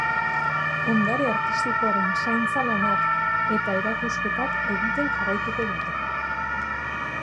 Ondare artistikoaren zaintza lanak eta erakusketak egiten jarraituko dute.